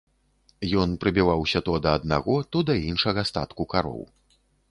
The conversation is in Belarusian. Ён прыбіваўся то да аднаго, то да іншага статку кароў.